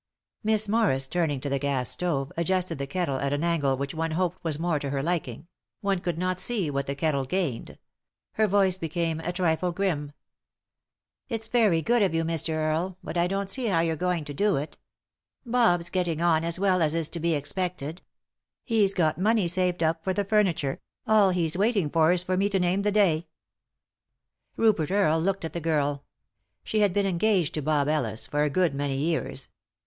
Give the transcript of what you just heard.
Miss Morris, turning to the gas stove, adjusted the kettle at an angle which one hoped was more to her liking; one could not see what the kettle gained. Her voice became a trifle grim. "It's very good of you, Mr. Earle, but I don't see how you're going to do it Bob's getting on as well as is to be expected ; he's got money saved up for the furniture; all he's waiting for is for me to name the day." 224 3i 9 iii^d by Google THE INTERRUPTED KISS Rupert Earle looked at the girl. She had been engaged to Bob Ellis for a good many years.